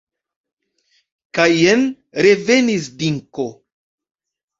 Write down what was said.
Kaj jen revenis Dinko.